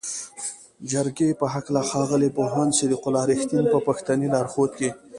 جرګې په هکله ښاغلي پوهاند صدیق الله "رښتین" په پښتني لارښود کې